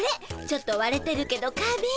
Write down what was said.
ちょっとわれてるけど花びん。